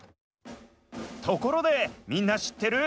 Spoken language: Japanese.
ところでみんなしってる？